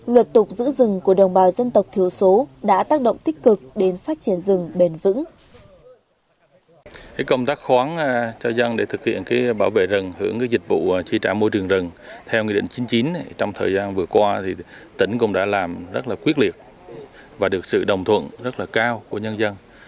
luật tục giữ rừng của đồng bào dân tộc thiếu số đã tác động tích cực đến phát triển rừng bền vững